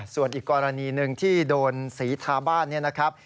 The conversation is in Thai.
ส่วนอีกกรณีหนึ่งที่โดนสีทาบ้านเนี่ยนะครับ